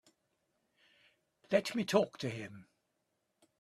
Let me talk to him.